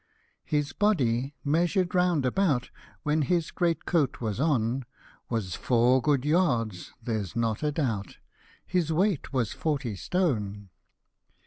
His body, measured round about, When his great coat was on, Was four good yards, there's not a doubt ; His weight was forty stone.